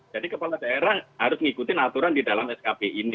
jadi kepala daerah harus mengikuti aturan di dalam skp ini